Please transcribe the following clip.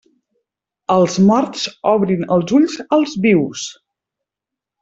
Els morts obrin els ulls als vius.